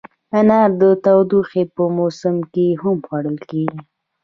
انار د تودوخې په موسم کې هم خوړل کېږي.